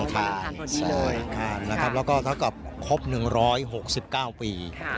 แล้วก็เท่ากับครบ๑๖๙ปี